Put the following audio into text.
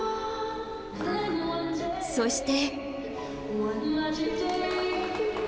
そして。